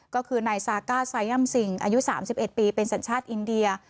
ก็คือนายซาก้าไซยัมซิงอายุสามสิบเอ็ดปีเป็นสัญชาติอินเดีย